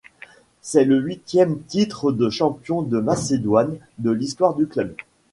C'est le huitième titre de champion de Macédoine de l'histoire du club.